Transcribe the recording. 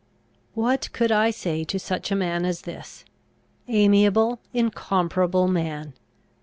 What could I say to such a man as this? Amiable, incomparable man!